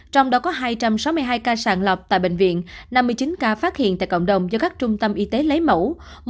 trong đó có hai trăm sáu mươi hai ca sàng lọc tại bệnh viện năm mươi chín ca phát hiện tại cộng đồng do các trung tâm y tế lấy mẫu